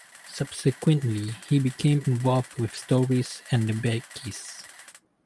Subsequently, he became involved with Stories and The Beckies.